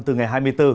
từ ngày hai mươi bốn